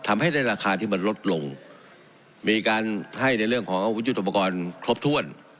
ทำให้ได้ราคาที่มันลดลงมีการให้ในเรื่องของอาวุธยุทธปกรณ์ครบถ้วน